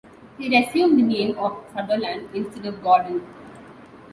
He resumed the name of Sutherland, instead of Gordon.